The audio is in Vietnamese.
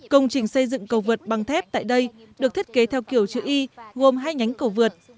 công trình xây dựng cầu vật bằng thép tại đây được thiết kế theo kiểu chữ y gồm hai nhánh cầu vượt